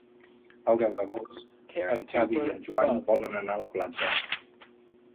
El deu d'agost en Xavi i en Joan volen anar a la platja.